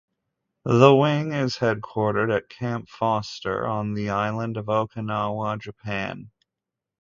The wing is headquartered at Camp Foster on the island of Okinawa, Japan.